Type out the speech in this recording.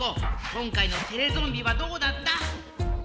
今回のテレゾンビはどうだった？